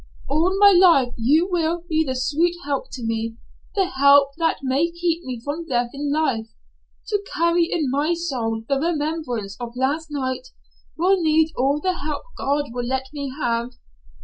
"All my life you will be the sweet help to me the help that may keep me from death in life. To carry in my soul the remembrance of last night will need all the help God will let me have.